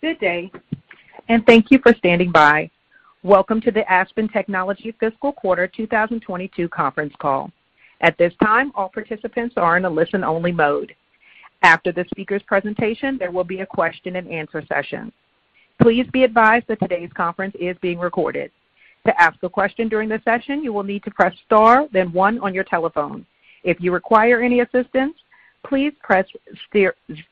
Good day, and thank you for standing by. Welcome to the Aspen Technology Fiscal Quarter 2022 conference call. At this time, all participants are in a listen-only mode. After the speaker's presentation, there will be a question-and-answer session. Please be advised that today's conference is being recorded. To ask a question during this session, you will need to press star, then one on your telephone. If you require any assistance, please press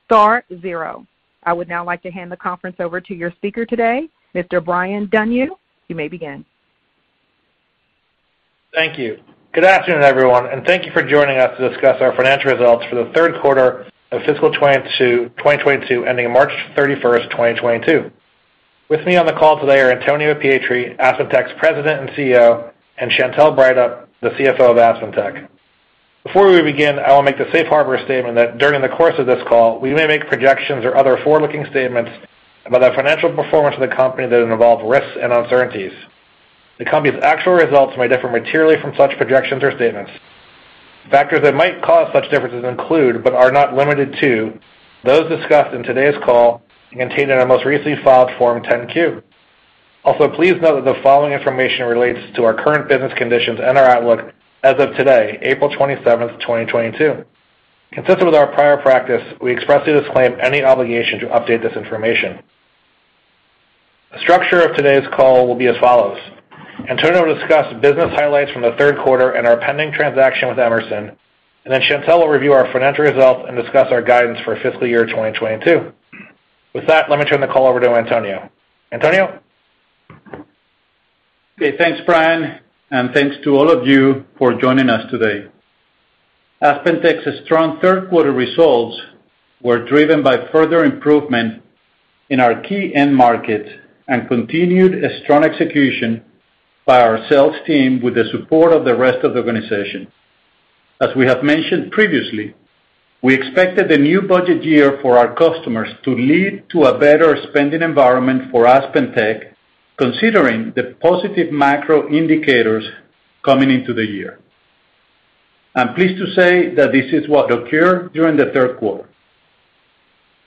star zero. I would now like to hand the conference over to your speaker today, Mr. Brian Denyeau. You may begin. Thank you. Good afternoon, everyone, and thank you for joining us to discuss our financial results for the third quarter of fiscal 2022, ending March 31, 2022. With me on the call today are Antonio Pietri, AspenTech's President and CEO, and Chantelle Breithaupt, the CFO of AspenTech. Before we begin, I will make the Safe Harbor statement that during the course of this call, we may make projections or other forward-looking statements about the financial performance of the company that involve risks and uncertainties. The company's actual results may differ materially from such projections or statements. Factors that might cause such differences include, but are not limited to, those discussed in today's call and contained in our most recently filed Form 10-Q. Also, please note that the following information relates to our current business conditions and our outlook as of today, April 27, 2022. Consistent with our prior practice, we expressly disclaim any obligation to update this information. The structure of today's call will be as follows. Antonio will discuss business highlights from the third quarter and our pending transaction with Emerson, and then Chantelle will review our financial results and discuss our guidance for fiscal year 2022. With that, let me turn the call over to Antonio. Antonio? Okay, thanks, Brian, and thanks to all of you for joining us today. AspenTech's strong third quarter results were driven by further improvement in our key end markets and continued a strong execution by our sales team with the support of the rest of the organization. As we have mentioned previously, we expected the new budget year for our customers to lead to a better spending environment for AspenTech, considering the positive macro indicators coming into the year. I'm pleased to say that this is what occurred during the third quarter.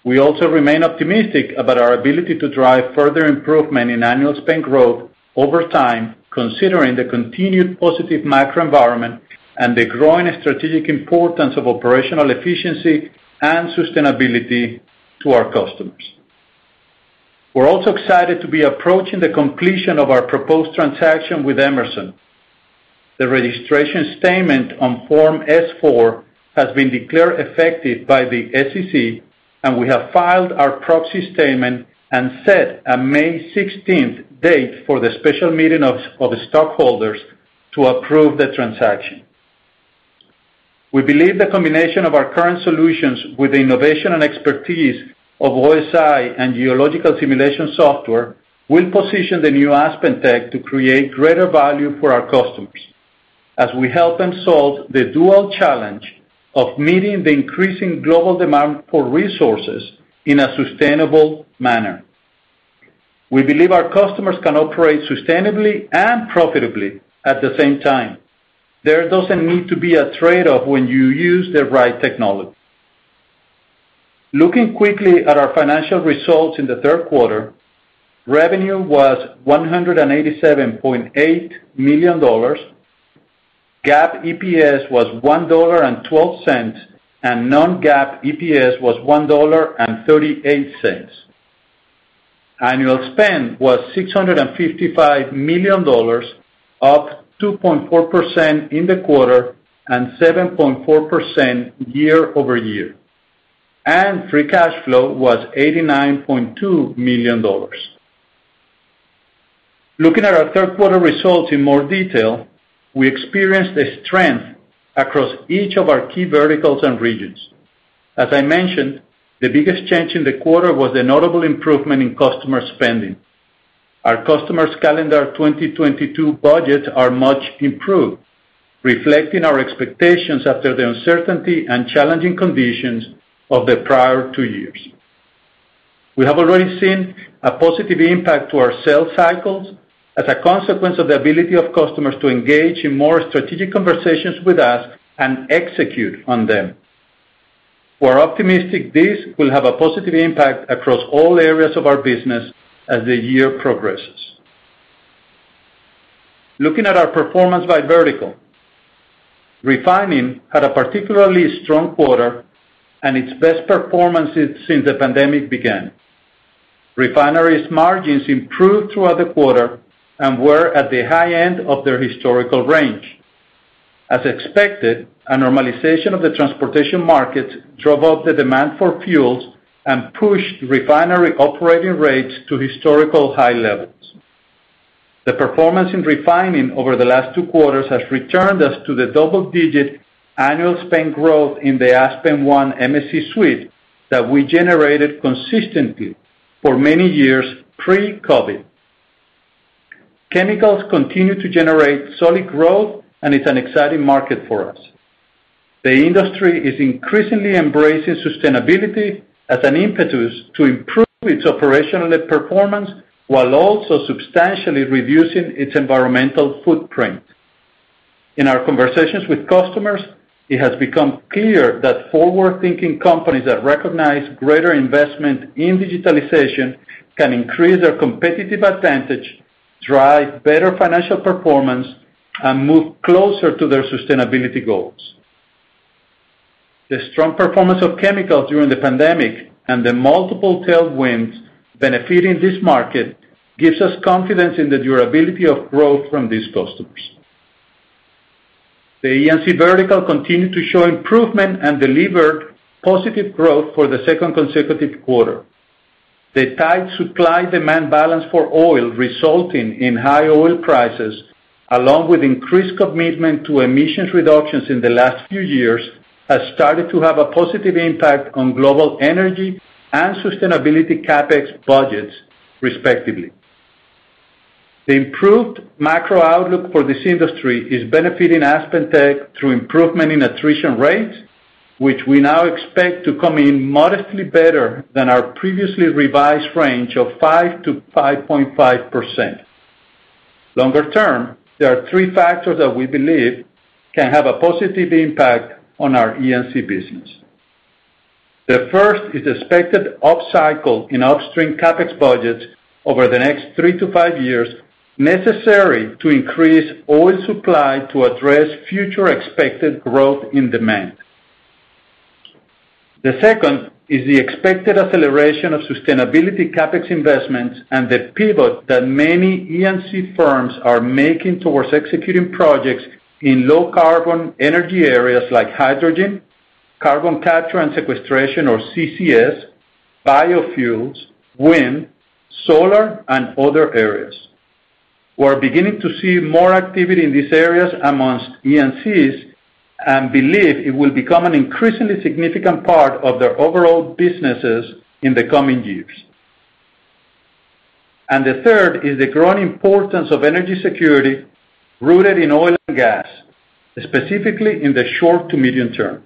We also remain optimistic about our ability to drive further improvement in annual spend growth over time, considering the continued positive macro environment and the growing strategic importance of operational efficiency and sustainability to our customers. We're also excited to be approaching the completion of our proposed transaction with Emerson. The registration statement on Form S-4 has been declared effective by the SEC, and we have filed our proxy statement and set a May sixteenth date for the special meeting of stockholders to approve the transaction. We believe the combination of our current solutions with the innovation and expertise of OSI and geological simulation software will position the new AspenTech to create greater value for our customers as we help them solve the dual challenge of meeting the increasing global demand for resources in a sustainable manner. We believe our customers can operate sustainably and profitably at the same time. There doesn't need to be a trade-off when you use the right technology. Looking quickly at our financial results in the third quarter, revenue was $187.8 million, GAAP EPS was $1.12, and non-GAAP EPS was $1.38. Annual spend was $655 million, up 2.4% in the quarter and 7.4% year-over-year. Free cash flow was $89.2 million. Looking at our third quarter results in more detail, we experienced a strength across each of our key verticals and regions. As I mentioned, the biggest change in the quarter was the notable improvement in customer spending. Our customers' 2022 budgets are much improved, reflecting our expectations after the uncertainty and challenging conditions of the prior two years. We have already seen a positive impact to our sales cycles as a consequence of the ability of customers to engage in more strategic conversations with us and execute on them. We're optimistic this will have a positive impact across all areas of our business as the year progresses. Looking at our performance by vertical, refining had a particularly strong quarter and its best performance since the pandemic began. Refinery's margins improved throughout the quarter and were at the high end of their historical range. As expected, a normalization of the transportation market drove up the demand for fuels and pushed refinery operating rates to historical high levels. The performance in refining over the last two quarters has returned us to the double-digit annual spend growth in the aspenONE MSC Suite that we generated consistently for many years pre-COVID. Chemicals continue to generate solid growth, and it's an exciting market for us. The industry is increasingly embracing sustainability as an impetus to improve its operational performance while also substantially reducing its environmental footprint. In our conversations with customers, it has become clear that forward-thinking companies that recognize greater investment in digitalization can increase their competitive advantage, drive better financial performance, and move closer to their sustainability goals. The strong performance of chemicals during the pandemic and the multiple tailwinds benefiting this market gives us confidence in the durability of growth from these customers. The E&C vertical continued to show improvement and delivered positive growth for the second consecutive quarter. The tight supply-demand balance for oil resulting in high oil prices, along with increased commitment to emissions reductions in the last few years, has started to have a positive impact on global energy and sustainability CapEx budgets, respectively. The improved macro outlook for this industry is benefiting AspenTech through improvement in attrition rates, which we now expect to come in modestly better than our previously revised range of 5%-5.5%. Longer term, there are three factors that we believe can have a positive impact on our E&C business. The first is expected upcycle in upstream CapEx budgets over the next three to five years, necessary to increase oil supply to address future expected growth in demand. The second is the expected acceleration of sustainability CapEx investments and the pivot that many E&C firms are making towards executing projects in low carbon energy areas like hydrogen, carbon capture and sequestration or CCS, biofuels, wind, solar and other areas. We're beginning to see more activity in these areas among E&Cs and believe it will become an increasingly significant part of their overall businesses in the coming years. The third is the growing importance of energy security rooted in oil and gas, specifically in the short to medium term.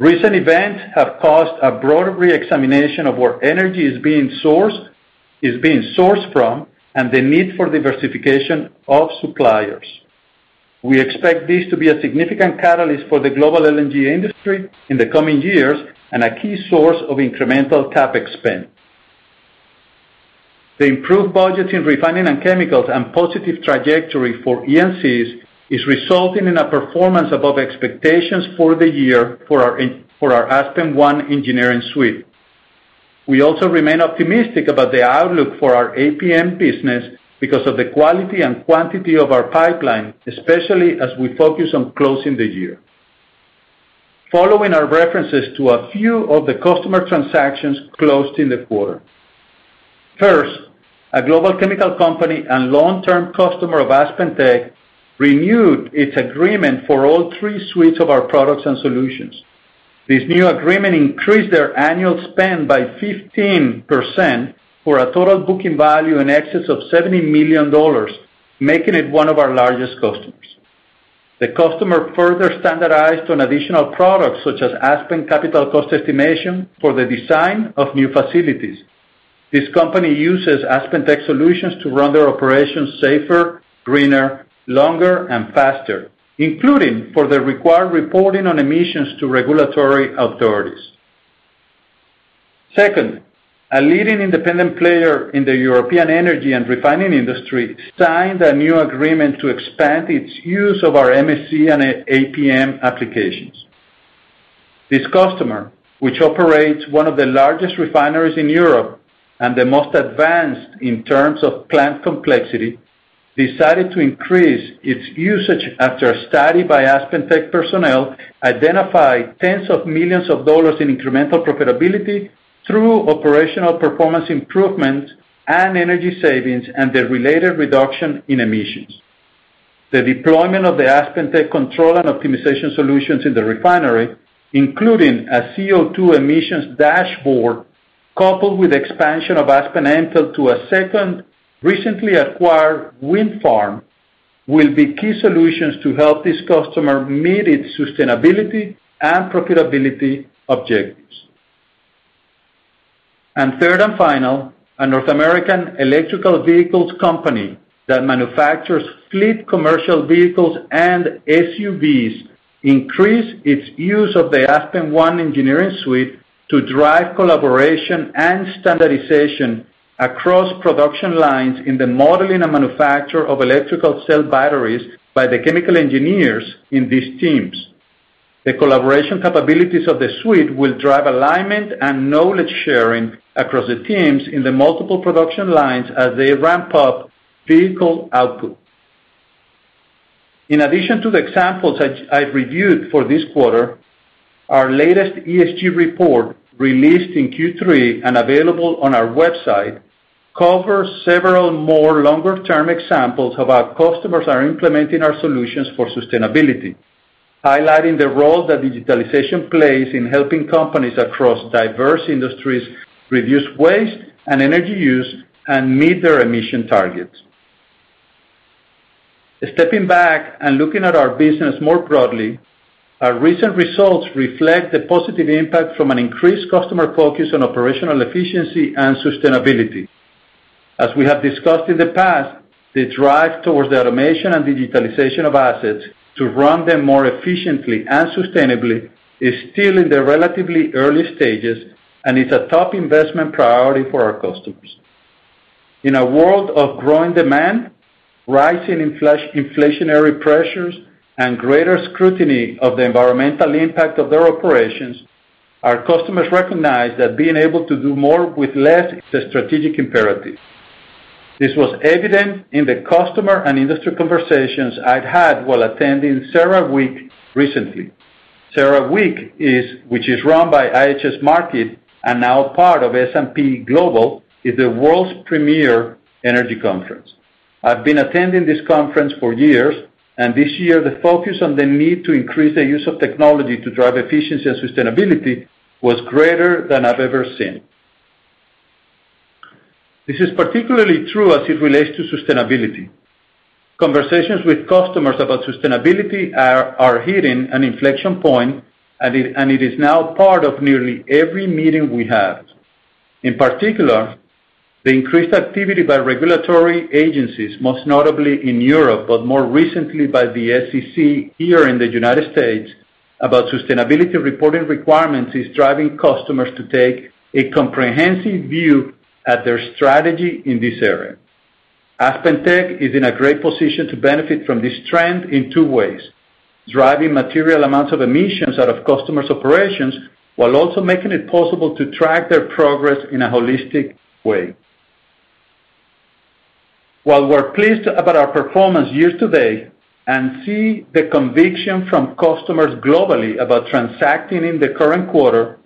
Recent events have caused a broader reexamination of where energy is being sourced, is being sourced from, and the need for diversification of suppliers. We expect this to be a significant catalyst for the global LNG industry in the coming years and a key source of incremental CapEx spend. The improved budgets in refining and chemicals and positive trajectory for E&Cs is resulting in a performance above expectations for the year for our aspenONE Engineering Suite. We also remain optimistic about the outlook for our APM business because of the quality and quantity of our pipeline, especially as we focus on closing the year. Following are references to a few of the customer transactions closed in the quarter. First, a global chemical company and long-term customer of AspenTech renewed its agreement for all three suites of our products and solutions. This new agreement increased their annual spend by 15% for a total booking value in excess of $70 million, making it one of our largest customers. The customer further standardized on additional products, such as Aspen Capital Cost Estimator, for the design of new facilities. This company uses AspenTech solutions to run their operations safer, greener, longer, and faster, including for the required reporting on emissions to regulatory authorities. Second, a leading independent player in the European energy and refining industry signed a new agreement to expand its use of our MSC and APM applications. This customer, which operates one of the largest refineries in Europe and the most advanced in terms of plant complexity, decided to increase its usage after a study by AspenTech personnel identified tens of millions of dollars in incremental profitability through operational performance improvement and energy savings and the related reduction in emissions. The deployment of the AspenTech control and optimization solutions in the refinery, including a CO2 emissions dashboard coupled with expansion of Aspen Mtell to a second recently acquired wind farm, will be key solutions to help this customer meet its sustainability and profitability objectives. Third and final, a North American electric vehicles company that manufactures fleet commercial vehicles and SUVs increased its use of the aspenONE Engineering suite to drive collaboration and standardization across production lines in the modeling and manufacture of electric cell batteries by the chemical engineers in these teams. The collaboration capabilities of the suite will drive alignment and knowledge sharing across the teams in the multiple production lines as they ramp up vehicle output. In addition to the examples I've reviewed for this quarter, our latest ESG report, released in Q3 and available on our website, covers several more longer-term examples of our customers are implementing our solutions for sustainability, highlighting the role that digitalization plays in helping companies across diverse industries reduce waste and energy use and meet their emission targets. Stepping back and looking at our business more broadly, our recent results reflect the positive impact from an increased customer focus on operational efficiency and sustainability. As we have discussed in the past, the drive towards the automation and digitalization of assets to run them more efficiently and sustainably is still in the relatively early stages and is a top investment priority for our customers. In a world of growing demand, rising inflationary pressures, and greater scrutiny of the environmental impact of their operations, our customers recognize that being able to do more with less is a strategic imperative. This was evident in the customer and industry conversations I've had while attending CERAWeek recently. CERAWeek, which is run by IHS Markit and now part of S&P Global, is the world's premier energy conference. I've been attending this conference for years, and this year the focus on the need to increase the use of technology to drive efficiency and sustainability was greater than I've ever seen. This is particularly true as it relates to sustainability. Conversations with customers about sustainability are hitting an inflection point, and it is now part of nearly every meeting we have. In particular, the increased activity by regulatory agencies, most notably in Europe, but more recently by the SEC here in the United States about sustainability reporting requirements, is driving customers to take a comprehensive view at their strategy in this area. AspenTech is in a great position to benefit from this trend in two ways, driving material amounts of emissions out of customers' operations while also making it possible to track their progress in a holistic way. While we're pleased about our performance year-to-date and see the conviction from customers globally about transacting in the current quarter,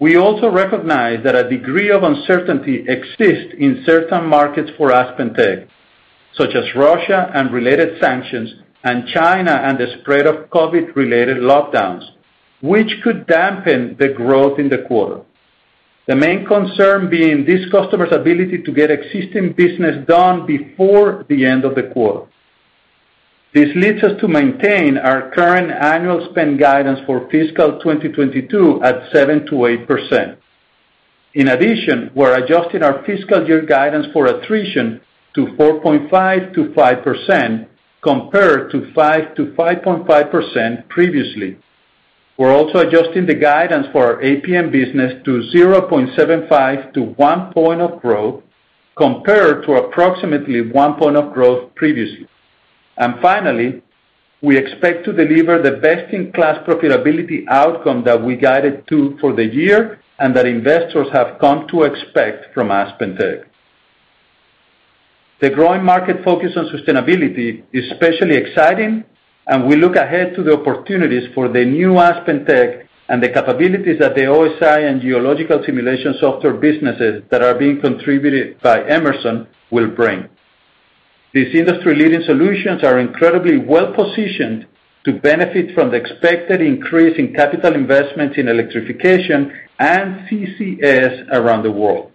we also recognize that a degree of uncertainty exists in certain markets for AspenTech, such as Russia and related sanctions and China and the spread of COVID-related lockdowns, which could dampen the growth in the quarter. The main concern being these customers' ability to get existing business done before the end of the quarter. This leads us to maintain our current annual spend guidance for fiscal 2022 at 7%-8%. In addition, we're adjusting our fiscal year guidance for attrition to 4.5%-5% compared to 5%-5.5% previously. We're also adjusting the guidance for our APM business to 0.75%-1% growth, compared to approximately 1% growth previously. Finally, we expect to deliver the best-in-class profitability outcome that we guided to for the year and that investors have come to expect from AspenTech. The growing market focus on sustainability is especially exciting, and we look ahead to the opportunities for the new AspenTech and the capabilities that the OSI and geological simulation software businesses that are being contributed by Emerson will bring. These industry-leading solutions are incredibly well-positioned to benefit from the expected increase in capital investments in electrification and CCS around the world.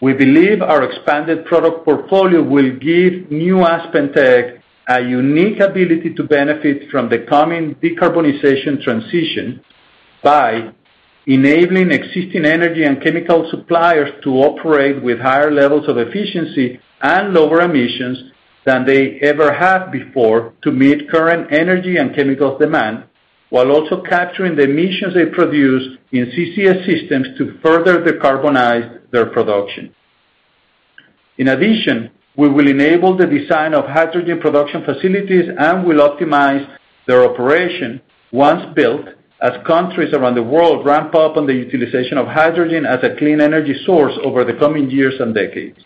We believe our expanded product portfolio will give new AspenTech a unique ability to benefit from the coming decarbonization transition by enabling existing energy and chemical suppliers to operate with higher levels of efficiency and lower emissions than they ever have before to meet current energy and chemical demand, while also capturing the emissions they produce in CCS systems to further decarbonize their production. In addition, we will enable the design of hydrogen production facilities and will optimize their operation once built, as countries around the world ramp up on the utilization of hydrogen as a clean energy source over the coming years and decades.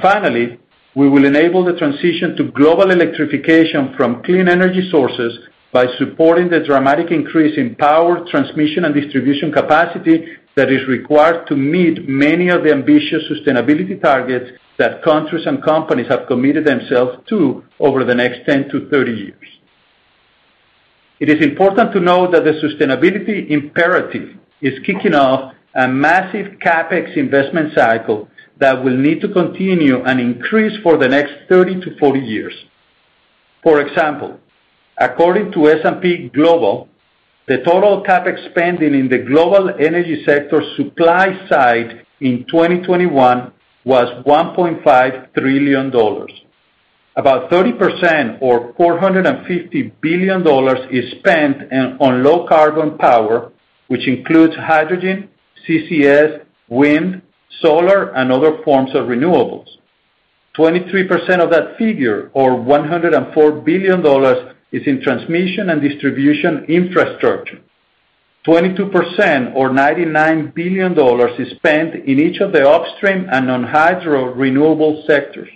Finally, we will enable the transition to global electrification from clean energy sources by supporting the dramatic increase in power transmission and distribution capacity that is required to meet many of the ambitious sustainability targets that countries and companies have committed themselves to over the next 10-30 years. It is important to note that the sustainability imperative is kicking off a massive CapEx investment cycle that will need to continue and increase for the next 30-40 years. For example, according to S&P Global, the total CapEx spending in the global energy sector supply side in 2021 was $1.5 trillion. About 30% or $450 billion is spent on low carbon power, which includes hydrogen, CCS, wind, solar, and other forms of renewables. 23% of that figure, or $104 billion, is in transmission and distribution infrastructure. 22% or $99 billion is spent in each of the upstream and on hydro renewable sectors.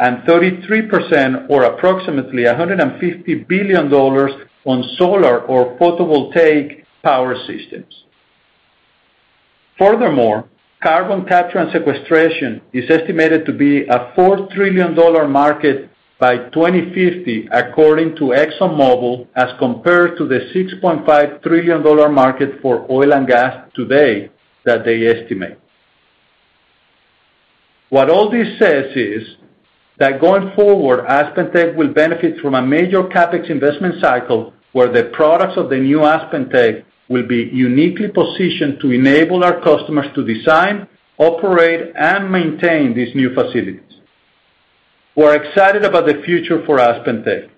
33% or approximately $150 billion on solar or photovoltaic power systems. Furthermore, carbon capture and sequestration is estimated to be a $4 trillion market by 2050 according to ExxonMobil, as compared to the $6.5 trillion market for oil and gas today that they estimate. What all this says is that going forward, AspenTech will benefit from a major CapEx investment cycle where the products of the new AspenTech will be uniquely positioned to enable our customers to design, operate, and maintain these new facilities. We're excited about the future for AspenTech.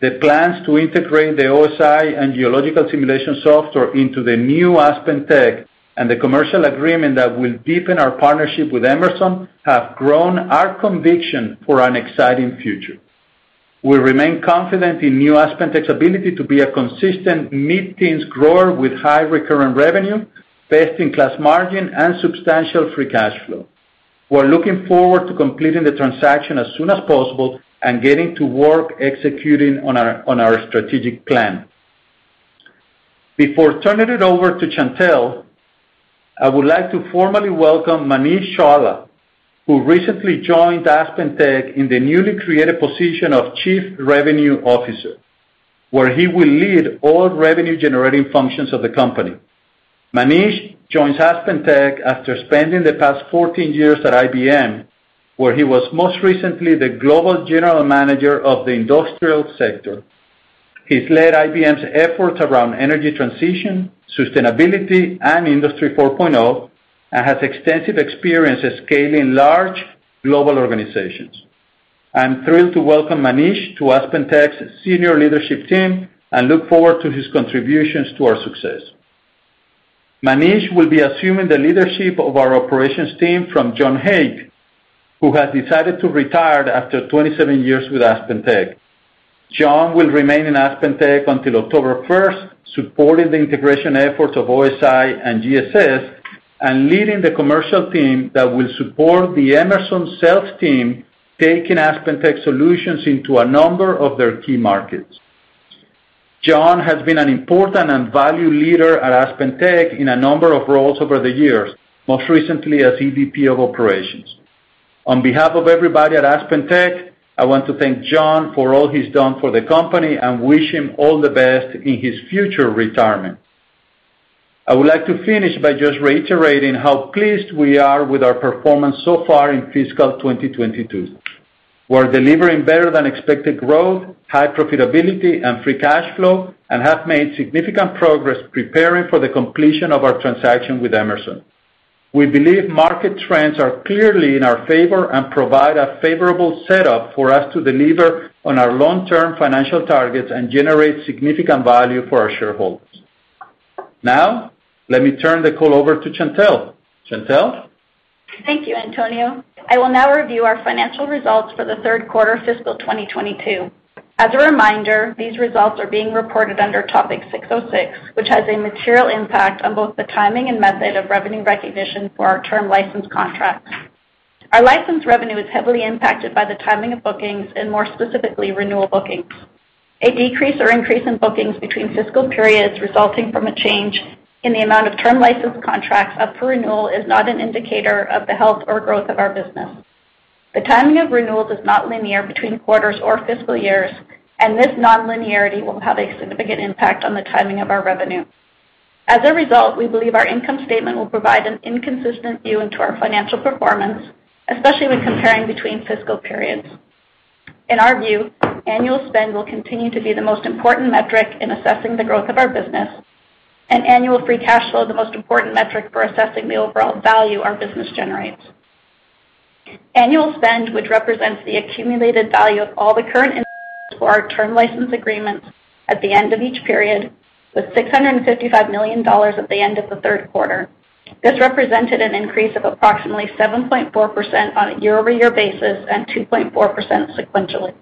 The plans to integrate the OSI and geological simulation software into the new AspenTech and the commercial agreement that will deepen our partnership with Emerson have grown our conviction for an exciting future. We remain confident in new AspenTech's ability to be a consistent mid-teens grower with high recurrent revenue, best-in-class margin, and substantial free cash flow. We're looking forward to completing the transaction as soon as possible and getting to work executing on our strategic plan. Before turning it over to Chantelle, I would like to formally welcome Manish Chawla, who recently joined AspenTech in the newly created position of Chief Revenue Officer, where he will lead all revenue-generating functions of the company. Manish joins AspenTech after spending the past 14 years at IBM, where he was most recently the Global General Manager of the industrial sector. He's led IBM's efforts around energy transition, sustainability, and Industry 4.0, and has extensive experience scaling large global organizations. I'm thrilled to welcome Manish to AspenTech's senior leadership team and look forward to his contributions to our success. Manish will be assuming the leadership of our operations team from John Hague, who has decided to retire after 27 years with AspenTech. John will remain in AspenTech until October first, supporting the integration efforts of OSI and GSS and leading the commercial team that will support the Emerson sales team, taking AspenTech solutions into a number of their key markets. John has been an important and valued leader at AspenTech in a number of roles over the years, most recently as EVP of Operations. On behalf of everybody at AspenTech, I want to thank John for all he's done for the company and wish him all the best in his future retirement. I would like to finish by just reiterating how pleased we are with our performance so far in fiscal 2022. We're delivering better than expected growth, high profitability, and free cash flow, and have made significant progress preparing for the completion of our transaction with Emerson. We believe market trends are clearly in our favor and provide a favorable setup for us to deliver on our long-term financial targets and generate significant value for our shareholders. Now, let me turn the call over to Chantelle. Chantelle? Thank you, Antonio. I will now review our financial results for the third quarter of fiscal 2022. As a reminder, these results are being reported under ASC 606, which has a material impact on both the timing and method of revenue recognition for our term license contracts. Our license revenue is heavily impacted by the timing of bookings and more specifically, renewal bookings. A decrease or increase in bookings between fiscal periods resulting from a change in the amount of term license contracts up for renewal is not an indicator of the health or growth of our business. The timing of renewals is not linear between quarters or fiscal years, and this nonlinearity will have a significant impact on the timing of our revenue. As a result, we believe our income statement will provide an inconsistent view into our financial performance, especially when comparing between fiscal periods. In our view, annual spend will continue to be the most important metric in assessing the growth of our business. Annual free cash flow, the most important metric for assessing the overall value of our business generates. Annual spend, which represents the accumulated value of all the current term license agreements at the end of each period, was $655 million at the end of the third quarter. This represented an increase of approximately 7.4% on a year-over-year basis and 2.4% sequentially.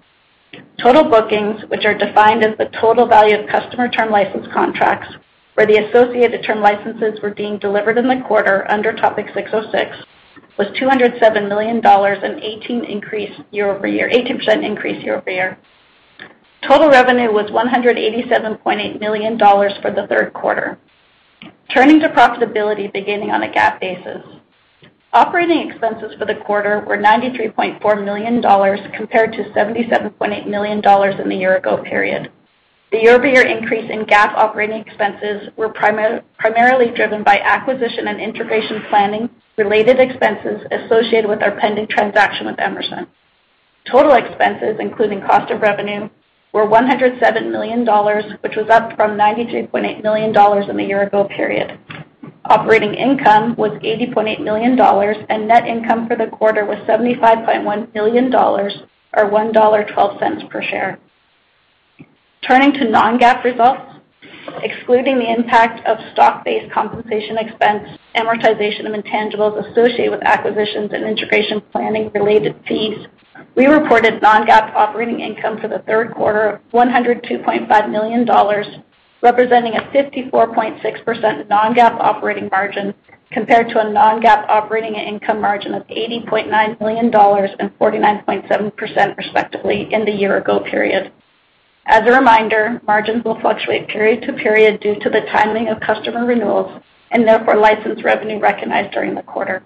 Total bookings, which are defined as the total value of customer term license contracts, where the associated term licenses were being delivered in the quarter under Topic 606, was $207 million, an 18% increase year-over-year. Total revenue was $187.8 million for the third quarter. Turning to profitability beginning on a GAAP basis. Operating expenses for the quarter were $93.4 million compared to $77.8 million in the year-ago period. The year-over-year increase in GAAP operating expenses were primarily driven by acquisition and integration planning related expenses associated with our pending transaction with Emerson. Total expenses, including cost of revenue, were $107 million, which was up from $93.8 million in the year-ago period. Operating income was $80.8 million, and net income for the quarter was $75.1 million or $1.12 per share. Turning to non-GAAP results. Excluding the impact of stock-based compensation expense, amortization of intangibles associated with acquisitions and integration planning-related fees, we reported non-GAAP operating income for the third quarter of $102.5 million, representing a 54.6% non-GAAP operating margin compared to a non-GAAP operating income margin of $80.9 million and 49.7% respectively in the year ago period. As a reminder, margins will fluctuate period to period due to the timing of customer renewals and therefore license revenue recognized during the quarter.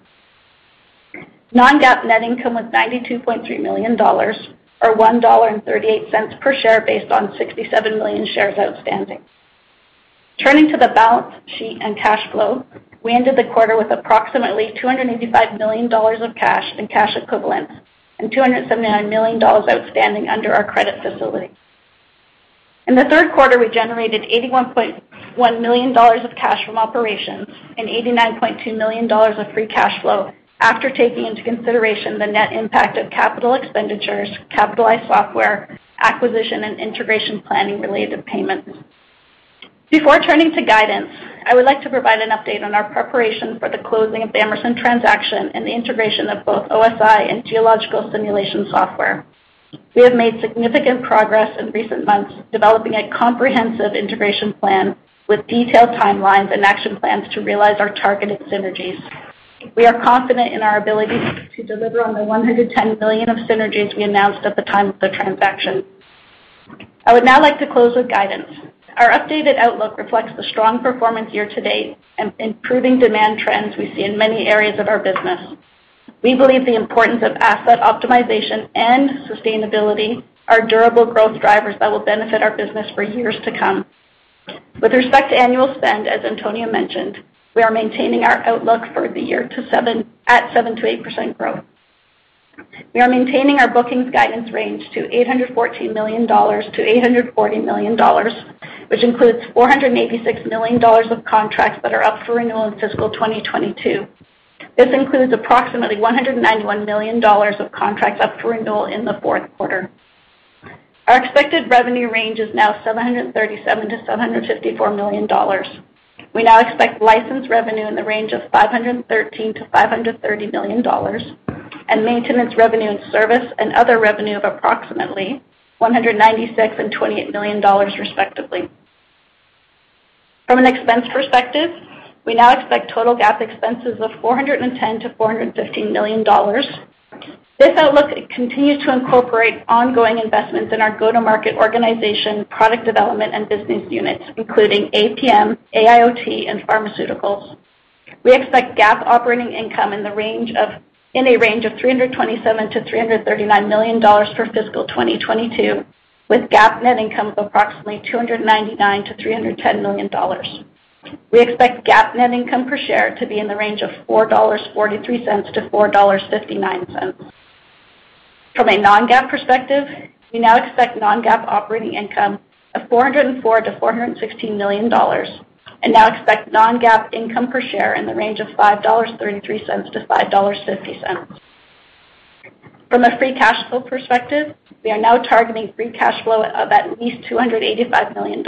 Non-GAAP net income was $92.3 million or $1.38 per share based on 67 million shares outstanding. Turning to the balance sheet and cash flow. We ended the quarter with approximately $285 million of cash and cash equivalents, and $279 million outstanding under our credit facility. In the third quarter, we generated $81.1 million of cash from operations and $89.2 million of free cash flow after taking into consideration the net impact of capital expenditures, capitalized software, acquisition, and integration planning-related payments. Before turning to guidance, I would like to provide an update on our preparation for the closing of the Emerson transaction and the integration of both OSI and Geological Simulation Software. We have made significant progress in recent months, developing a comprehensive integration plan with detailed timelines and action plans to realize our targeted synergies. We are confident in our ability to deliver on the $110 million of synergies we announced at the time of the transaction. I would now like to close with guidance. Our updated outlook reflects the strong performance year-to-date and improving demand trends we see in many areas of our business. We believe the importance of asset optimization and sustainability are durable growth drivers that will benefit our business for years to come. With respect to annual spend, as Antonio mentioned, we are maintaining our outlook for the year at 7%-8% growth. We are maintaining our bookings guidance range to $814 million-$840 million, which includes $486 million of contracts that are up for renewal in fiscal 2022. This includes approximately $191 million of contracts up for renewal in the fourth quarter. Our expected revenue range is now $737 million-$754 million. We now expect license revenue in the range of $513 million-$530 million, and maintenance revenue and service and other revenue of approximately $196 million and $28 million, respectively. From an expense perspective, we now expect total GAAP expenses of $410 million-$415 million. This outlook continues to incorporate ongoing investments in our go-to-market organization, product development, and business units, including APM, AIoT, and pharmaceuticals. We expect GAAP operating income in the range of $327 million-$339 million for fiscal 2022, with GAAP net income of approximately $299 million-$310 million. We expect GAAP net income per share to be in the range of $4.43-$4.59. From a non-GAAP perspective, we now expect non-GAAP operating income of $404 million-$416 million and now expect non-GAAP income per share in the range of $5.33-$5.50. From a free cash flow perspective, we are now targeting free cash flow of at least $285 million.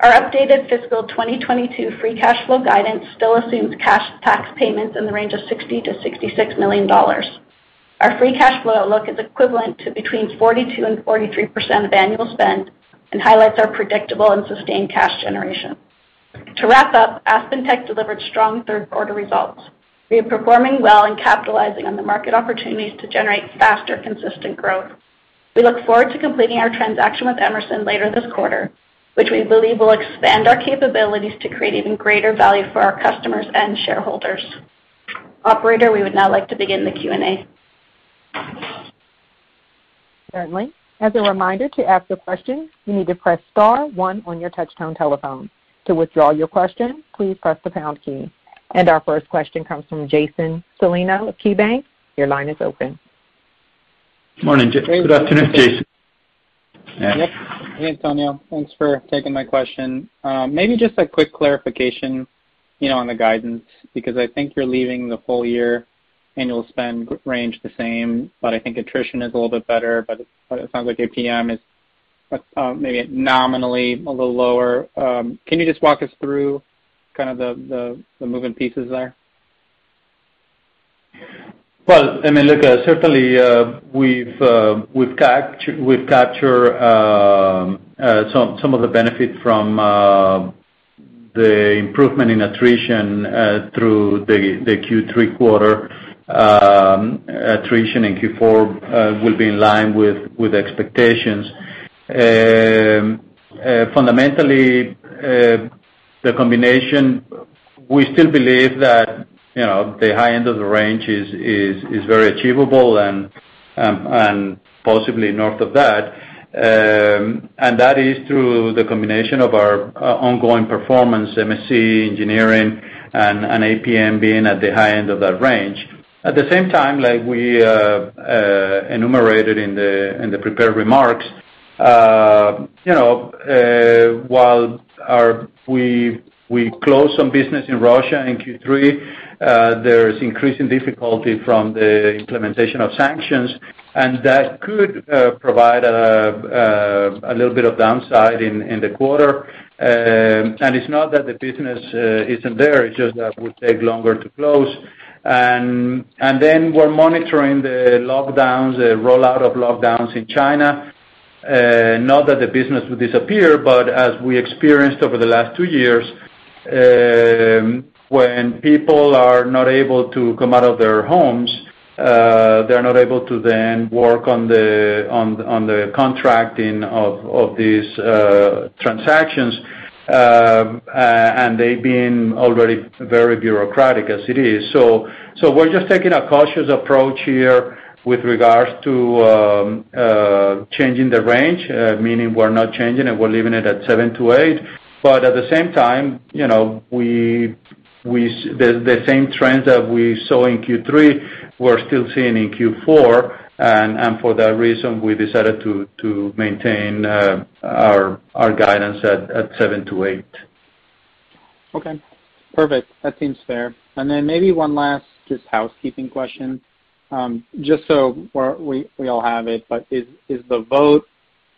Our updated fiscal 2022 free cash flow guidance still assumes cash tax payments in the range of $60 million-$66 million. Our free cash flow outlook is equivalent to between 42% and 43% of annual spend and highlights our predictable and sustained cash generation. To wrap up, AspenTech delivered strong third quarter results. We are performing well and capitalizing on the market opportunities to generate faster, consistent growth. We look forward to completing our transaction with Emerson later this quarter, which we believe will expand our capabilities to create even greater value for our customers and shareholders. Operator, we would now like to begin the Q&A. Certainly. As a reminder, to ask a question, you need to press star one on your touchtone telephone. To withdraw your question, please press the pound key. Our first question comes from Jason Celino of KeyBanc. Your line is open. Good afternoon, Jason. Yep. Hey, Antonio. Thanks for taking my question. Maybe just a quick clarification, you know, on the guidance because I think you're leaving the full year annual spend range the same, but I think attrition is a little bit better, but it sounds like APM is maybe nominally a little lower. Can you just walk us through kind of the moving pieces there? Well, I mean, look, certainly, we've captured some of the benefit from the improvement in attrition through the Q3 quarter. Attrition in Q4 will be in line with expectations. Fundamentally, the combination, we still believe that, you know, the high end of the range is very achievable and possibly north of that. That is through the combination of our ongoing performance, MSC, Engineering, and APM being at the high end of that range. At the same time, like we enumerated in the prepared remarks, you know, we closed some business in Russia in Q3, there's increasing difficulty from the implementation of sanctions, and that could provide a little bit of downside in the quarter. It's not that the business isn't there, it's just that it would take longer to close. Then we're monitoring the lockdowns, the rollout of lockdowns in China. Not that the business would disappear, but as we experienced over the last two years, when people are not able to come out of their homes. They're not able to then work on the contracting of these, and they've been already very bureaucratic as it is. We're just taking a cautious approach here with regards to changing the range, meaning we're not changing it, we're leaving it at 7-8. At the same time, you know, the same trends that we saw in Q3, we're still seeing in Q4, and for that reason, we decided to maintain our guidance at 7-8. Okay. Perfect. That seems fair. Maybe one last just housekeeping question. Just so we all have it, but is the vote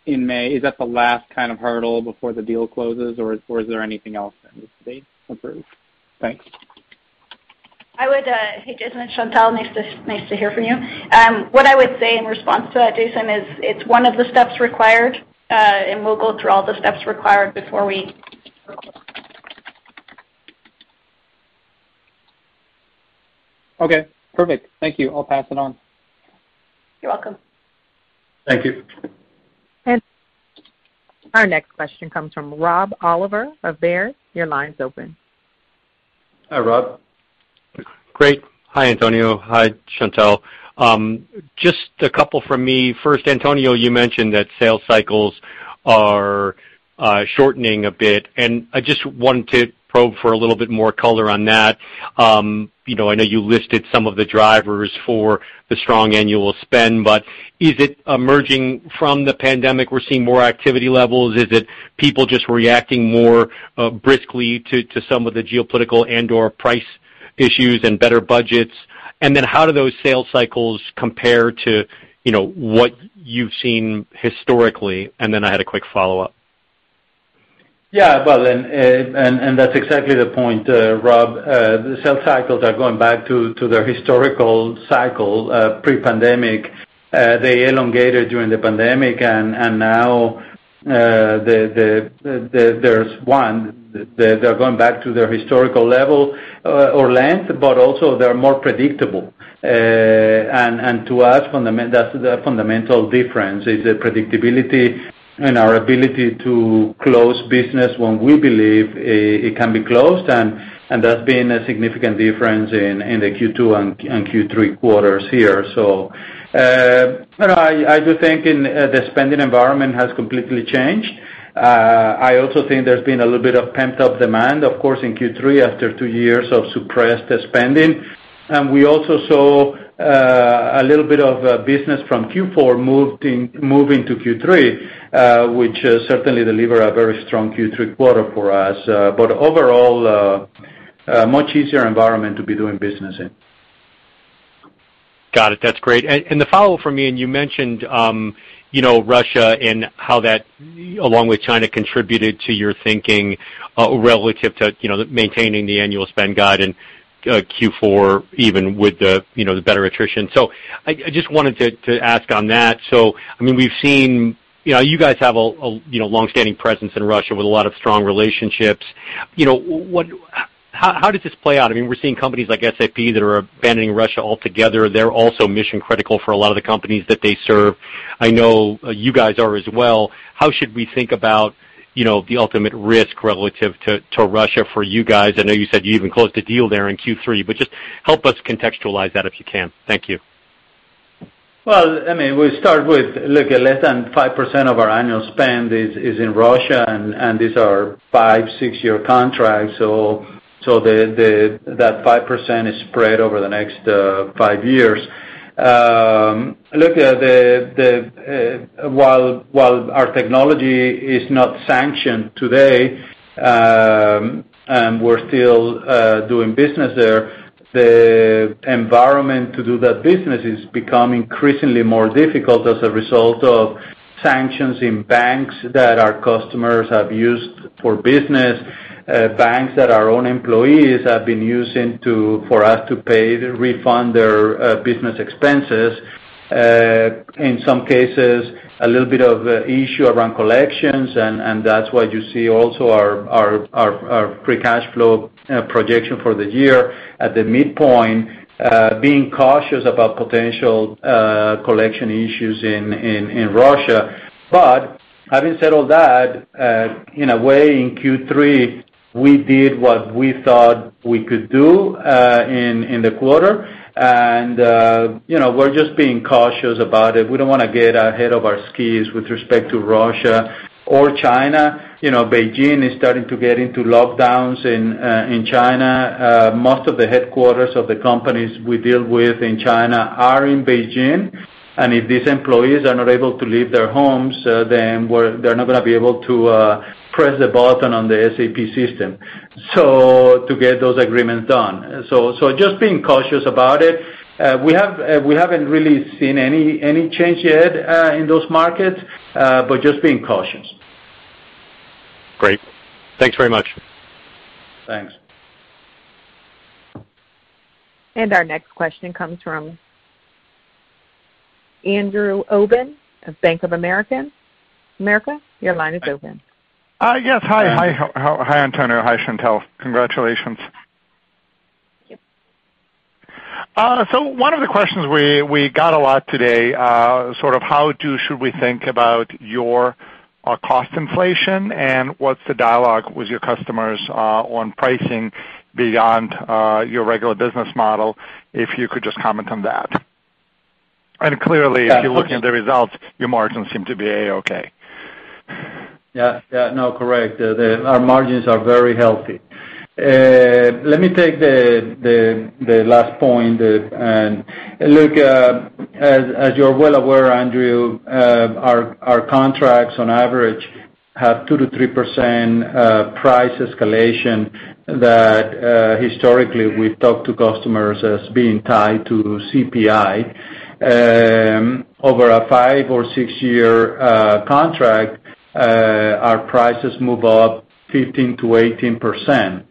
in May, is that the last kind of hurdle before the deal closes, or is there anything else that needs to be approved? Thanks. Hey, Jason, it's Chantelle. Nice to hear from you. What I would say in response to that, Jason, is it's one of the steps required, and we'll go through all the steps required before we Okay. Perfect. Thank you. I'll pass it on. You're welcome. Thank you. Our next question comes from Rob Oliver of Baird. Your line's open. Hi, Rob. Great. Hi, Antonio. Hi, Chantelle. Just a couple from me. First, Antonio, you mentioned that sales cycles are shortening a bit, and I just wanted to probe for a little bit more color on that. You know, I know you listed some of the drivers for the strong annual spend, but is it emerging from the pandemic, we're seeing more activity levels? Is it people just reacting more briskly to some of the geopolitical and/or price issues and better budgets? And then how do those sales cycles compare to, you know, what you've seen historically? And then I had a quick follow-up. Yeah. Well, that's exactly the point, Rob. The sales cycles are going back to their historical cycle pre-pandemic. They elongated during the pandemic, and now they're going back to their historical level or length, but also they're more predictable. To us, that's the fundamental difference is the predictability and our ability to close business when we believe it can be closed, and that's been a significant difference in the Q2 and Q3 quarters here. I do think the spending environment has completely changed. I also think there's been a little bit of pent-up demand, of course, in Q3 after two years of suppressed spending. We also saw a little bit of business from Q4 moving to Q3, which certainly delivered a very strong Q3 quarter for us. Overall, a much easier environment to be doing business in. Got it. That's great. The follow-up for me, you mentioned Russia and how that along with China contributed to your thinking relative to maintaining the annual spend guide in Q4, even with the better attrition. I just wanted to ask on that. I mean, we've seen. You know, you guys have a longstanding presence in Russia with a lot of strong relationships. You know, how does this play out? I mean, we're seeing companies like SAP that are abandoning Russia altogether. They're also mission critical for a lot of the companies that they serve. I know you guys are as well. How should we think about the ultimate risk relative to Russia for you guys? I know you said you even closed a deal there in Q3, but just help us contextualize that if you can. Thank you. Well, I mean, we start with, look, less than 5% of our annual spend is in Russia, and these are 5-6-year contracts, so that 5% is spread over the next five years. Look, while our technology is not sanctioned today, and we're still doing business there, the environment to do that business is becoming increasingly more difficult as a result of sanctions in banks that our customers have used for business, banks that our own employees have been using for us to pay, refund their business expenses. In some cases, a little bit of issue around collections and that's why you see also our free cash flow projection for the year at the midpoint, being cautious about potential collection issues in Russia. Having said all that, in a way, in Q3, we did what we thought we could do, in the quarter. You know, we're just being cautious about it. We don't wanna get ahead of our skis with respect to Russia or China. You know, Beijing is starting to get into lockdowns in China. Most of the headquarters of the companies we deal with in China are in Beijing. If these employees are not able to leave their homes, then they're not gonna be able to press the button on the SAP system, so to get those agreements done. Just being cautious about it. We haven't really seen any change yet in those markets, but just being cautious. Great. Thanks very much. Thanks. Our next question comes from Andrew Obin of Bank of America. Your line is open. Yes. Hi. And- Hi, Antonio. Hi, Chantelle. Congratulations. Thank you. One of the questions we got a lot today, how should we think about your cost inflation and what's the dialogue with your customers on pricing beyond your regular business model, if you could just comment on that. That's- If you're looking at the results, your margins seem to be A-okay. Yeah. No, correct. Our margins are very healthy. Let me take the last point. Look, as you're well aware, Andrew, our contracts on average have 2%-3% price escalation that historically we've talked to customers as being tied to CPI. Over a five- or six-year contract, our prices move up 15%-18%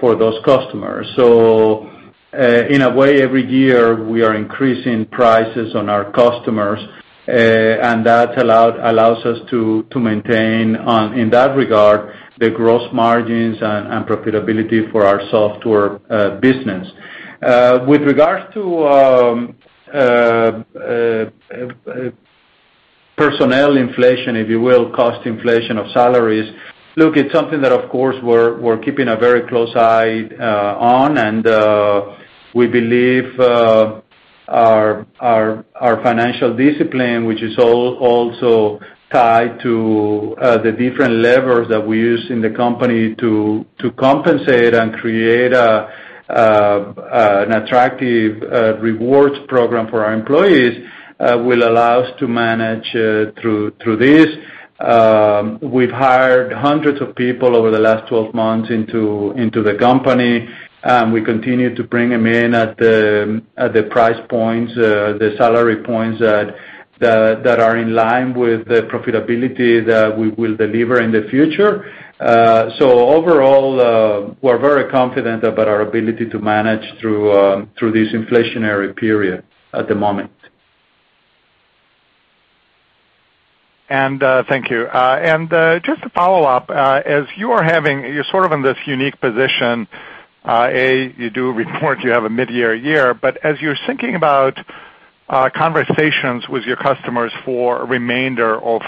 for those customers. In a way, every year we are increasing prices on our customers. That allows us to maintain, in that regard, the gross margins and profitability for our software business. With regards to personnel inflation, if you will, cost inflation of salaries. It's something that of course we're keeping a very close eye on. We believe our financial discipline, which is also tied to the different levers that we use in the company to compensate and create an attractive rewards program for our employees, will allow us to manage through this. We've hired hundreds of people over the last 12 months into the company. We continue to bring them in at the price points, the salary points that are in line with the profitability that we will deliver in the future. Overall, we're very confident about our ability to manage through this inflationary period at the moment. Thank you. Just to follow up, you're sort of in this unique position, you do a report, you have a mid-year. As you're thinking about conversations with your customers for remainder of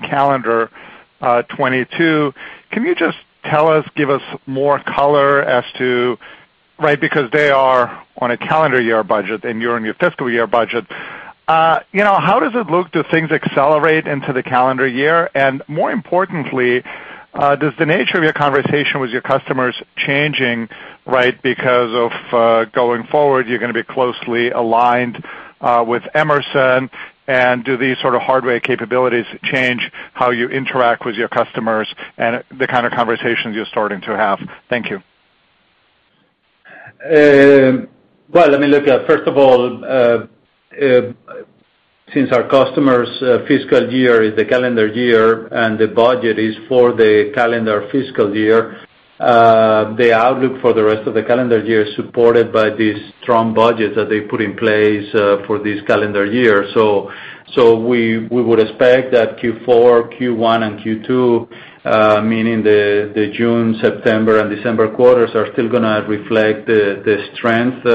calendar 2022, can you just tell us, give us more color as to right, because they are on a calendar year budget and you're on your fiscal year budget. You know, how does it look to things accelerate into the calendar year? More importantly, does the nature of your conversation with your customers changing, right? Because of going forward, you're gonna be closely aligned with Emerson. Do these sort of hardware capabilities change how you interact with your customers and the kind of conversations you're starting to have? Thank you. Well, let me look at, first of all, since our customers' fiscal year is the calendar year and the budget is for the calendar fiscal year, the outlook for the rest of the calendar year is supported by these strong budgets that they put in place, for this calendar year. We would expect that Q4, Q1, and Q2, meaning the June, September, and December quarters are still gonna reflect the strength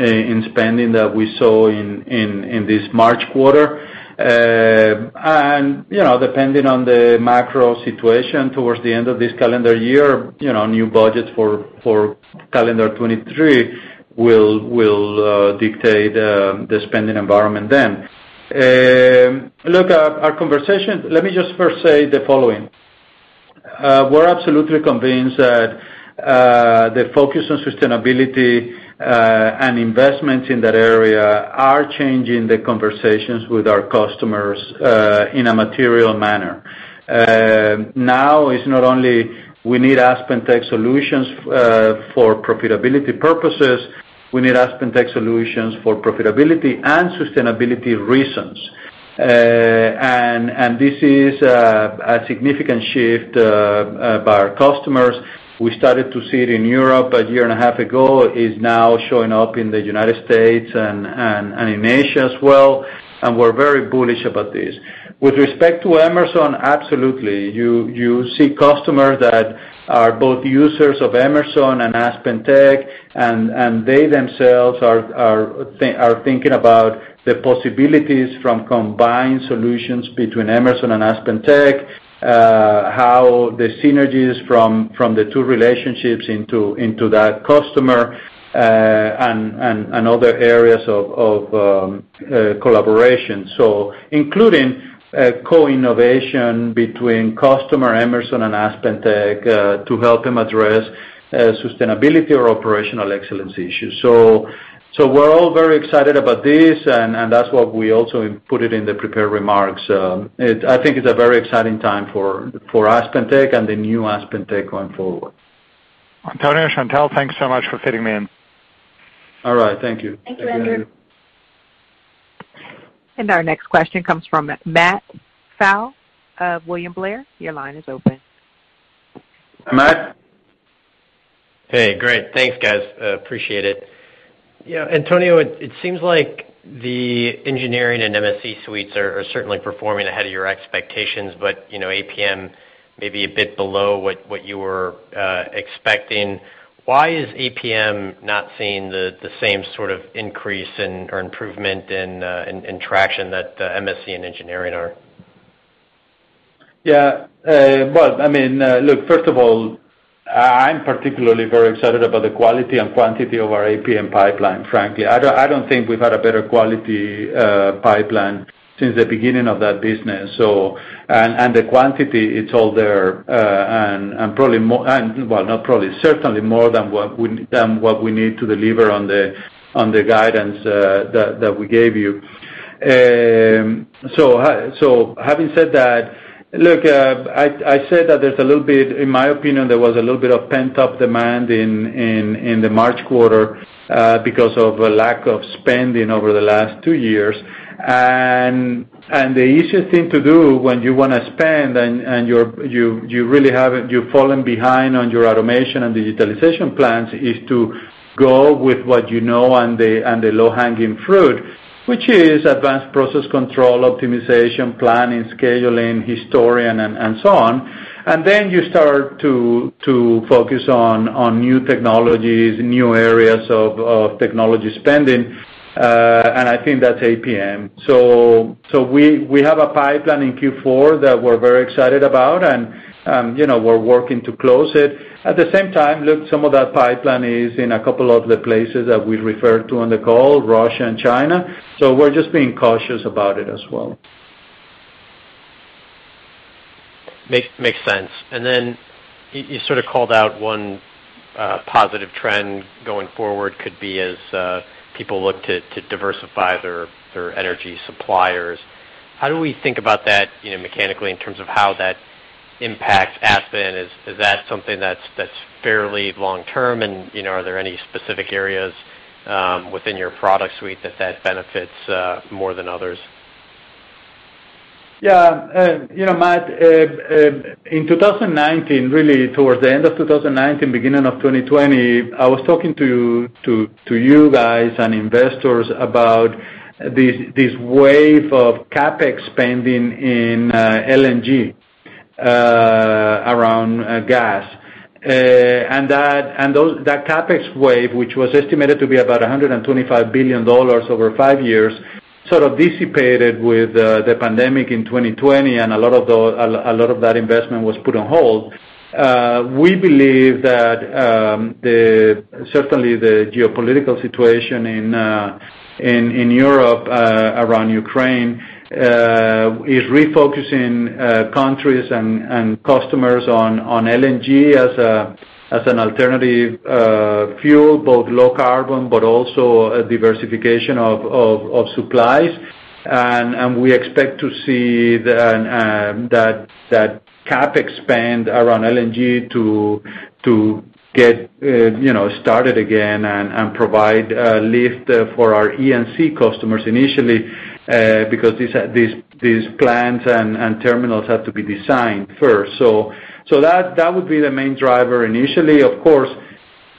in spending that we saw in this March quarter. You know, depending on the macro situation towards the end of this calendar year, you know, new budgets for calendar 2023 will dictate the spending environment then. Look, our conversation. Let me just first say the following. We're absolutely convinced that the focus on sustainability and investments in that area are changing the conversations with our customers in a material manner. Now it's not only we need AspenTech solutions for profitability purposes, we need AspenTech solutions for profitability and sustainability reasons. This is a significant shift by our customers. We started to see it in Europe a year and a half ago. It's now showing up in the United States and in Asia as well, and we're very bullish about this. With respect to Emerson, absolutely. You see customers that are both users of Emerson and AspenTech, and they themselves are thinking about the possibilities from combined solutions between Emerson and AspenTech. how the synergies from the two relationships into that customer, and other areas of collaboration. Including co-innovation between customer Emerson and AspenTech, to help them address sustainability or operational excellence issues. We're all very excited about this, and that's what we also put it in the prepared remarks. I think it's a very exciting time for AspenTech and the new AspenTech going forward. Antonio, Chantelle, thanks so much for fitting me in. All right. Thank you. Thank you, Andrew. Our next question comes from Matt Pfau of William Blair. Your line is open. Matt? Hey, great. Thanks, guys. I appreciate it. Yeah, Antonio, it seems like the Engineering and MSC suites are certainly performing ahead of your expectations. You know, APM may be a bit below what you were expecting. Why is APM not seeing the same sort of increase in or improvement in traction that MSC and Engineering are? Yeah. Well, I mean, look, first of all, I'm particularly very excited about the quality and quantity of our APM pipeline, frankly. I don't think we've had a better quality pipeline since the beginning of that business. The quantity, it's all there. And certainly more than what we need to deliver on the guidance that we gave you. Having said that, look, I said that in my opinion there was a little bit of pent-up demand in the March quarter because of a lack of spending over the last two years. The easiest thing to do when you wanna spend and you're really you've fallen behind on your automation and digitalization plans is to go with what you know and the low-hanging fruit, which is advanced process control, optimization, planning, scheduling, historian, and so on. Then you start to focus on new technologies, new areas of technology spending, and I think that's APM. We have a pipeline in Q4 that we're very excited about, and you know, we're working to close it. At the same time, look, some of that pipeline is in a couple of the places that we referred to on the call, Russia and China. We're just being cautious about it as well. Makes sense. Then you sort of called out one positive trend going forward could be as people look to diversify their energy suppliers. How do we think about that, you know, mechanically in terms of how that impacts Aspen? Is that something that's fairly long term? You know, are there any specific areas within your product suite that benefits more than others? Yeah. You know, Matt, in 2019, really towards the end of 2019, beginning of 2020, I was talking to you guys and investors about this wave of CapEx spending in LNG around gas. That CapEx wave, which was estimated to be about $125 billion over five years, sort of dissipated with the pandemic in 2020, and a lot of that investment was put on hold. We believe that certainly the geopolitical situation in Europe around Ukraine is refocusing countries and customers on LNG as an alternative fuel, both low carbon, but also a diversification of supplies. We expect to see the CapEx spend around LNG to get you know started again and provide a lift for our E&C customers initially because these plants and terminals have to be designed first. That would be the main driver initially. Of course,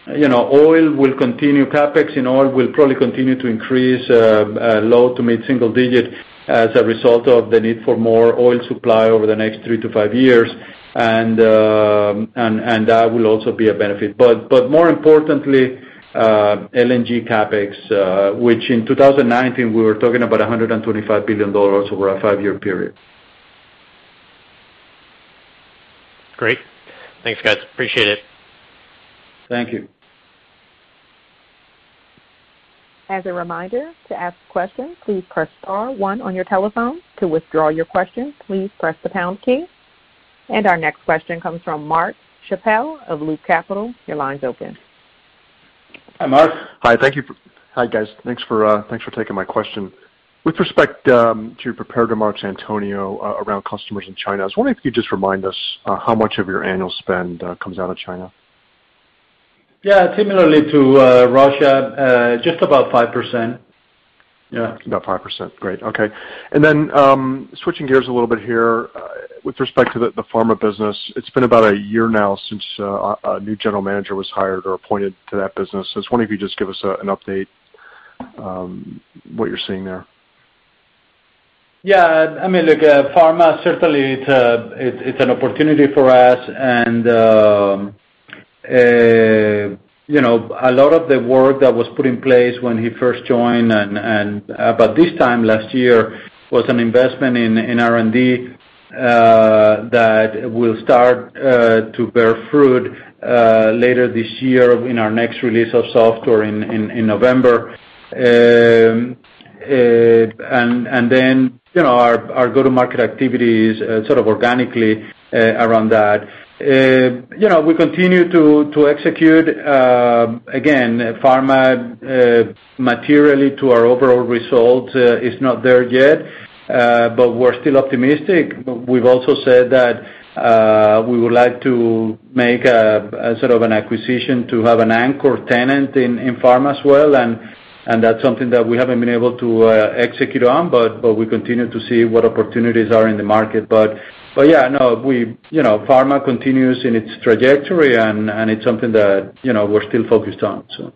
you know, oil will continue. CapEx in oil will probably continue to increase low- to mid-single-digit % as a result of the need for more oil supply over the next three to five years, and that will also be a benefit. More importantly, LNG CapEx, which in 2019 we were talking about $125 billion over a five-year period. Great. Thanks, guys. Appreciate it. Thank you. As a reminder, to ask questions, please press star one on your telephone. To withdraw your question, please press the pound key. Our next question comes from Mark Schappel of Loop Capital. Your line's open. Hi, Mark. Hi. Thank you. Hi, guys. Thanks for taking my question. With respect to your prepared remarks, Antonio, around customers in China, I was wondering if you could just remind us how much of your annual spend comes out of China. Yeah. Similarly to Russia, just about 5%. Yeah. About 5%. Great. Okay. Switching gears a little bit here, with respect to the pharma business, it's been about a year now since a new general manager was hired or appointed to that business. I was wondering if you could just give us an update, what you're seeing there. Yeah. I mean, look, pharma certainly it's an opportunity for us and, you know, a lot of the work that was put in place when he first joined and, but this time last year was an investment in R&D that will start to bear fruit later this year in our next release of software in November. And then, you know, our go-to-market activities sort of organically around that. You know, we continue to execute, again, pharma materially to our overall results is not there yet, but we're still optimistic. We've also said that we would like to make a sort of an acquisition to have an anchor tenant in pharma as well, and that's something that we haven't been able to execute on, but we continue to see what opportunities are in the market. But yeah, no, you know, pharma continues in its trajectory and it's something that, you know, we're still focused on, so.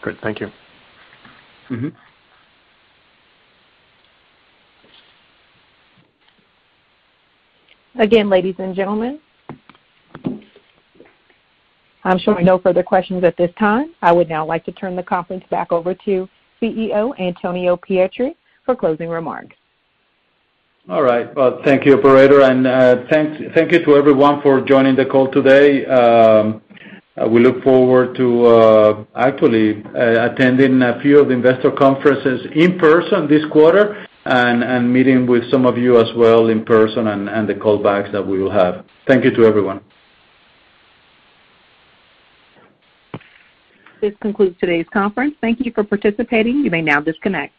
Good. Thank you. Mm-hmm. Again, ladies and gentlemen, I'm showing no further questions at this time. I would now like to turn the conference back over to CEO, Antonio Pietri, for closing remarks. All right. Well, thank you, operator, and thank you to everyone for joining the call today. We look forward to actually attending a few of the investor conferences in person this quarter and meeting with some of you as well in person and the callbacks that we will have. Thank you to everyone. This concludes today's conference. Thank you for participating. You may now disconnect.